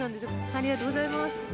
ありがとうございます。